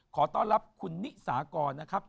ขอต้อนรับคุณนิสากรนะครับ